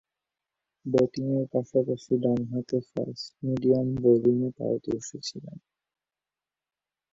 ব্যাটিংয়ের পাশাপাশি ডানহাতে ফাস্ট-মিডিয়াম বোলিংয়ে পারদর্শী ছিলেন।